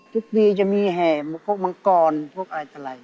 ทุกปีจะมีแห่พวกมังกรพวกอะไรตลาย